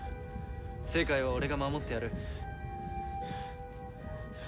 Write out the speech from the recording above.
世界は俺が守ってやる。